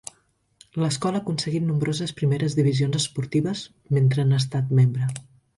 L'escola ha aconseguit nombroses primeres divisions esportives mentre n'ha estat membre.